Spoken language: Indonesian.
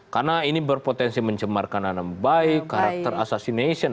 karena ini berpotensi mencemarkan anak bayi karakter assassination